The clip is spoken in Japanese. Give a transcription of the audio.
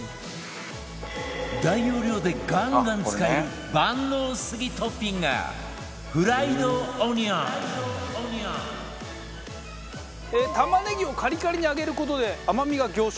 大容量でガンガン使える万能すぎトッピング玉ねぎをカリカリに揚げる事で甘みが凝縮。